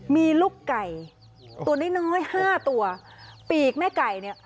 มีลูกไก่ตัวน้อยน้อยห้าตัวปีกแม่ไก่เนี่ย